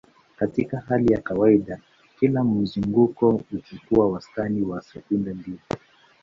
Katika hali ya kawaida, kila mzunguko huchukua wastani wa sekunde mbili.